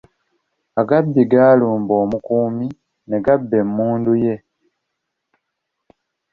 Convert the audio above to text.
Agabbi gaalumba omukuumi ne gabba emmundu ye.